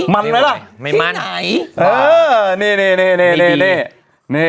มันไหมล่ะ